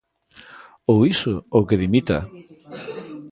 Ou iso ou que dimita.